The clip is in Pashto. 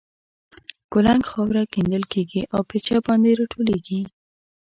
کولنګ خاوره کیندل کېږي او بېلچه باندې را ټولېږي.